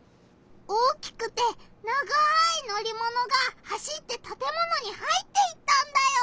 大きくて長い乗りものが走ってたてものに入っていったんだよ！